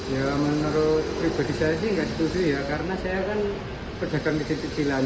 ya menurut pribadi saya ini enggak setuju ya karena saya kan kerja kan kecil kecilan